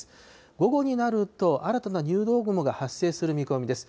午後になると、新たな入道雲が発生する見込みです。